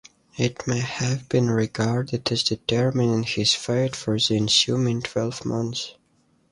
It may have been regarded as determining his fate for the ensuing twelve months.